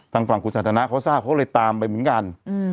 ทางฝั่งคุณสันทนาเขาทราบเขาเลยตามไปเหมือนกัน